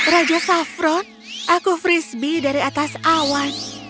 raja safron aku frisbee dari atas awan